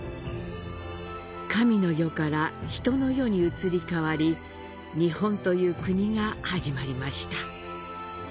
神の代から人の代に移りかわり、日本という国がはじまりました。